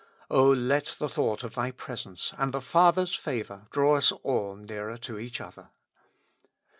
O let the thought of Thy presence and the Father's favor draw us all nearer to each other.